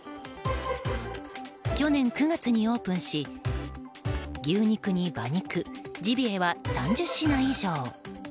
去年９月にオープンし牛肉に馬肉、ジビエは３０品以上。